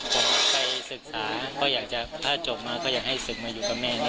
จะไปศึกษาก็อยากจะถ้าจบมาก็อยากให้ศึกมาอยู่กับแม่นะ